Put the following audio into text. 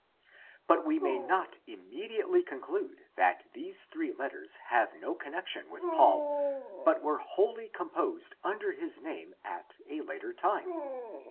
But we may not immediately conclude that these three letters have no connection with Paul but were wholly com posed under his name at a later time.